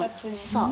そう。